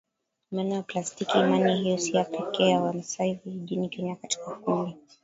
meno ya plastiki Imani hiyo si ya pekee kwa Wamasai Vijijini Kenya katika kundi